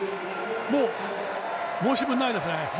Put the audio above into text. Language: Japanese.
もう申し分ないですね